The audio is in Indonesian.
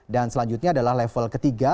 dan selanjutnya adalah level ketiga